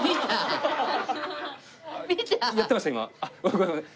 ごめんなさい